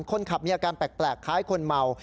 คนขับมีอาการแปลกคล้ายคนเมา